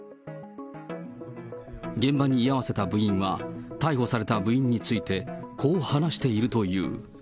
現場に居合わせた部員は、逮捕された部員についてこう話しているという。